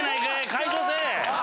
解消せえ！